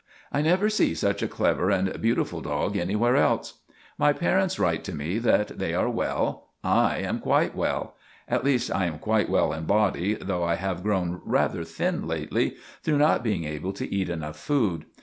I never see such a clever and beautiful dog anywhere else. My parents write to me that they are well. I am quite well. At least, I am quite well in body, though I have grown rather thin lately through not being able to eat enough food.